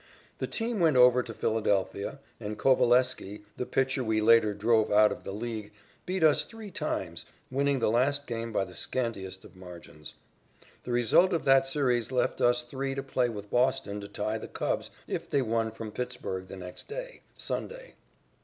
The team went over to Philadelphia, and Coveleski, the pitcher we later drove out of the League, beat us three times, winning the last game by the scantiest of margins. The result of that series left us three to play with Boston to tie the Cubs if they won from Pittsburg the next day, Sunday.